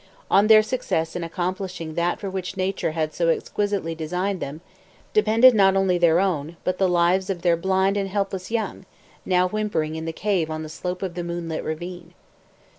On their success in accomplishing that for which nature had so exquisitely designed them, depended not only their own, but the lives of their blind and helpless young, now whimpering in the cave on the slope of the moon lit ravine.